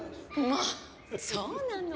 まあそうなの？